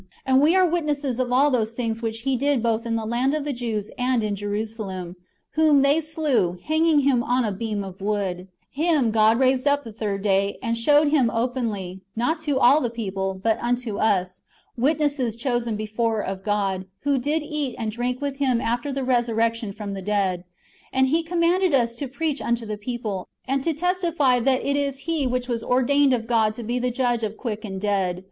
And we are witnesses of all those thinojs which He did both in the land of the Jews and in Jerusalem ; whom they slew, hanging Him on a beam of wood : Him God raised up the third day, and showed Him openly ; not to all the people, but unto us, witnesses chosen before of God, who did eat and drink with Him after the resurrection from the dead. And He commanded us to preach unto the people, and to testify that it is He which was ordained of God to be the Judge of quick and dead.